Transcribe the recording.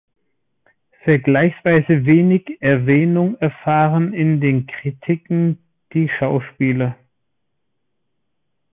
Vergleichsweise wenig Erwähnung erfahren in den Kritiken die Schauspieler.